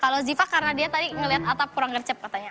kalau ziva karena dia tadi ngeliat atap kurang gercep katanya